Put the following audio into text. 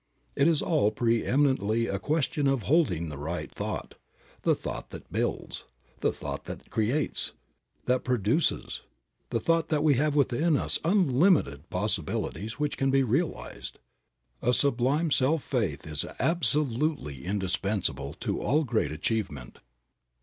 It is all preëminently a question of holding the right thought the thought that builds, the thought that creates, that produces, the thought that we have within us unlimited possibilities, which can be realized. A sublime self faith is absolutely indispensable to all great achievement.